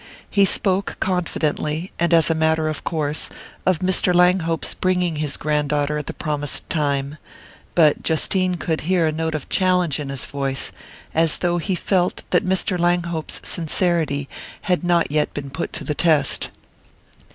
He spoke confidently, and as a matter of course, of Mr. Langhope's bringing his grand daughter at the promised time; but Justine could hear a note of challenge in his voice, as though he felt that Mr. Langhope's sincerity had not yet been put to the test.